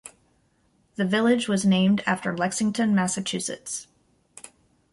The village was named after Lexington, Massachusetts.